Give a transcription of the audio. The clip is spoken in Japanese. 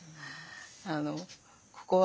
あのここはね